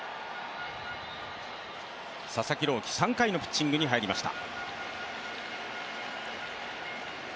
佐々木朗希、３回のピッチングに入りました。